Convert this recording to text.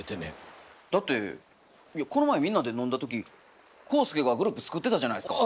だってこの前みんなで飲んだときコウスケがグループ作ってたじゃないですか。